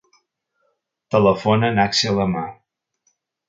Telefona a l'Axel Amar.